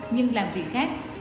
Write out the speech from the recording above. nhưng làm việc khác